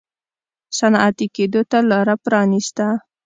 صنعتي کېدو ته لار پرانېسته.